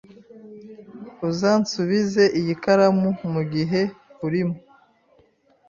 Uzansubiza iyi karamu mugihe urimo?